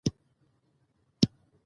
انګور د افغانستان د بڼوالۍ برخه ده.